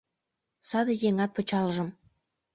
Саде еҥат пычалжым